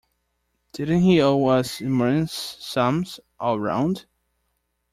Didn't he owe us immense sums, all round?